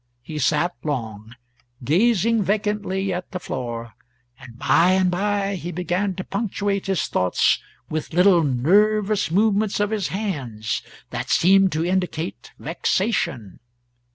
He sat long, gazing vacantly at the floor, and by and by he began to punctuate his thoughts with little nervous movements of his hands that seemed to indicate vexation.